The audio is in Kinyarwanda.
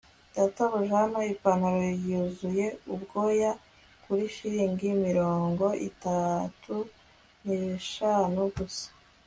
databuja, hano! ipantaro yuzuye ubwoya kuri shilingi mirongo itatu n'eshanu gusa